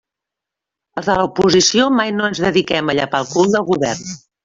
Els de l'oposició mai no ens dediquem a llepar el cul del Govern.